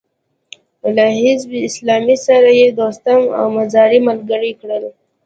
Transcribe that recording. له حزب اسلامي سره يې دوستم او مزاري ملګري کړل.